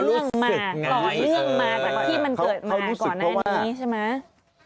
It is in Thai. ต่อเรื่องมาจากที่มันเกิดมาก่อนหน้านี้ใช่ไหม